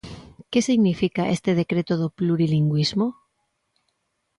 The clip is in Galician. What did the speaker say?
¿Que significa este decreto do plurilingüismo?